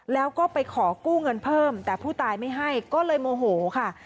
แล้วก็ไปขอกู้เงินเพิ่มแต่ผู้ตายไม่ให้ก็เลยโมโหค่ะ